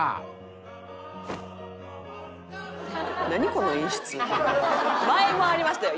この演出」「前もありましたよ